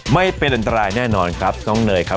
ไม่เป็นอันตรายแน่นอนครับน้องเนยครับ